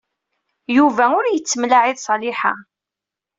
Yuba ur yettemlaɛi ed Ṣaliḥa.